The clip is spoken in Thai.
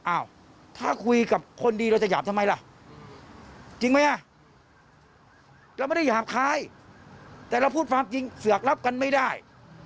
อ้าวถ้าคุยกับคนดีเราจะหยาบทำไมล่ะจริงไหมอ่ะเราไม่ได้หยาบคล้ายแต่เราพูดความจริงเสือกรับกันไม่ได้